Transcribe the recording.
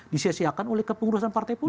disiasiakan oleh kepengurusan partai politik